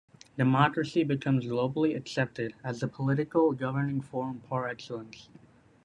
Democracy becomes globally accepted as the political governing form par excellence.